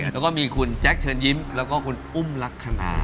แล้วก็มีคุณแจ๊คเชิญยิ้มแล้วก็คุณอุ้มลักษณะ